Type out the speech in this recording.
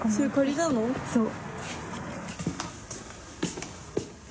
そう。